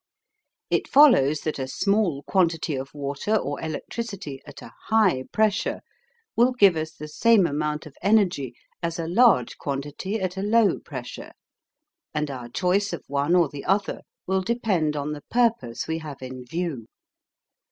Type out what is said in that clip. It follows that a small quantity of water or electricity at a high pressure will give us the same amount of energy as a large quantity at a low pressure, and our choice of one or the other will depend on the purpose we have in view.